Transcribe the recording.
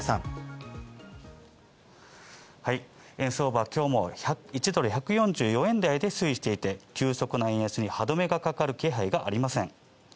円相場は今日も１ドル＝１４４円台で推移していて、急速な円安に歯止めがかかる気配がありません。